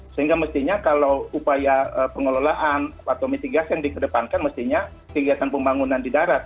sehingga mestinya kalau upaya pengelolaan atau mitigasi yang dikedepankan mestinya kegiatan pembangunan di darat